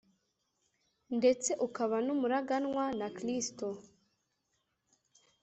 ndetse ukaba n'umuraganwa na kristo